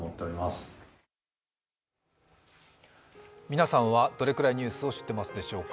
皆さんはどれくらいニュースを知ってますでしょうか？